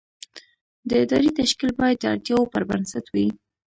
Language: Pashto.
د ادارې تشکیل باید د اړتیاوو پر بنسټ وي.